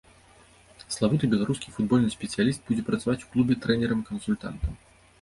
Славуты беларускі футбольны спецыяліст будзе працаваць у клубе трэнерам-кансультантам.